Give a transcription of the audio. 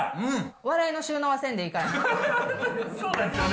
笑いの収納はせんでええからね。